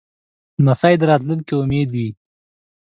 لمسی د راتلونکې امید وي.